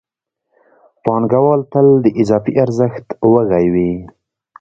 پانګوال تل د اضافي ارزښت وږی وي